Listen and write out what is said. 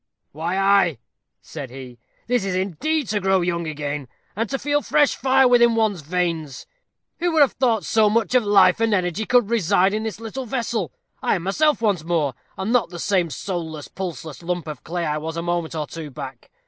"Why, ay," said he, "this is indeed to grow young again, and to feel fresh fire within one's veins. Who would have thought so much of life and energy could reside in this little vessel? I am myself once more, and not the same soulless, pulseless lump of clay I was a moment or two back.